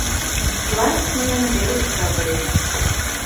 Лач мыйын велыш савырет.